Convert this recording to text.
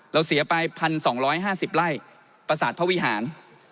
เราเสียไปพันสองร้อยห้าสิบไร่ปศาสตร์พระวิหาร